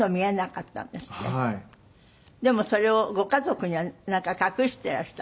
でもそれをご家族にはなんか隠してらした。